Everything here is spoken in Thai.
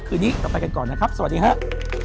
คืนนี้เราไปกันก่อนนะครับสวัสดีครับ